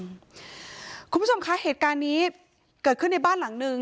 คุณผู้ชมคะเหตุการณ์นี้เกิดขึ้นในบ้านหลังนึง